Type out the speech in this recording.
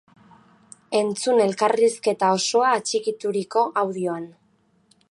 Entzun elkarrizketa osoa atxikituruko audioan!